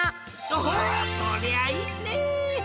おおそりゃあいいね！